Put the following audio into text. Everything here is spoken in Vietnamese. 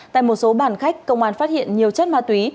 tại một số bàn khách công an phát hiện nhiều chất ma túy